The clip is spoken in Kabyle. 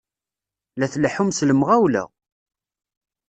La tleḥḥum s lemɣawla!